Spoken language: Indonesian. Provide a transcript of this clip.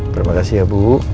terima kasih ya bu